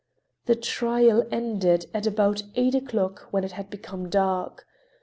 The trial ended at about eight o'clock, when it had become dark.